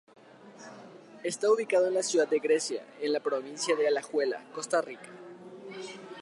Está ubicado en la ciudad de Grecia, en la provincia de Alajuela, Costa Rica.